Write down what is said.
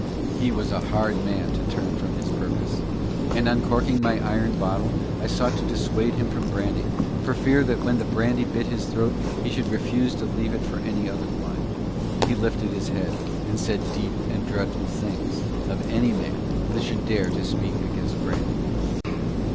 He was a hard man to turn from his purpose, and, uncorking my iron bottle, I sought to dissuade him from brandy for fear that when the brandy, bit his throat he should refuse to leave it for any other wine. He lifted his head and said deep and dreadful things of any man that should dare to speak against brandy.